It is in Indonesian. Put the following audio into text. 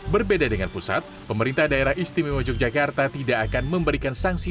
berbeda dengan pusat pemerintah daerah istimewa yogyakarta tidak akan memberikan sanksi